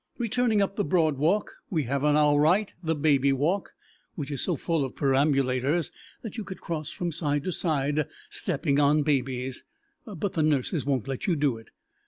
Returning up the Broad Walk we have on our right the Baby Walk, which is so full of perambulators that you could cross from side to side stepping on babies, but the nurses won't let you do it.